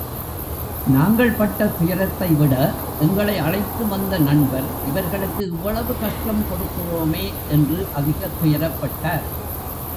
நாங்கள் பட்ட துயரத்தைவிட எங்களை அழைத்துவந்த நண்பர், இவர்களுக்கு இவ்வளவு கஷ்டம் கொடுக்கிறோமே என்று அதிகத் துயரப்பட்டார்.